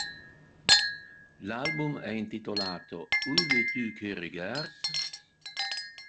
L'album è intitolato "Où veux-tu qu'je r'garde?".